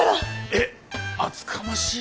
えっ厚かましい。